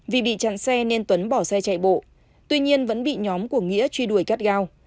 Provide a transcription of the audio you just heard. vì bị chặn xe nên tuấn bỏ xe chạy bộ tuy nhiên vẫn bị nhóm của nghĩa truy đuổi cắt gao